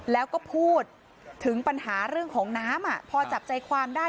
แล้วก็พูดถึงปัญหาเรื่องของน้ำพอจับใจความได้